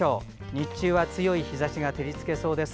日中は強い日ざしが照りつけそうです。